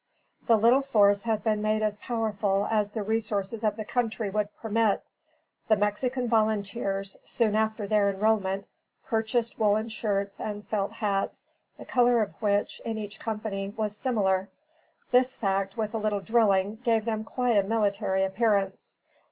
The little force had been made as powerful as the resources of the country would permit. The Mexican Volunteers, soon after their enrollment, purchased woolen shirts and felt hats, the color of which, in each company, was similar; this fact, with a little drilling, gave them quite a military appearance.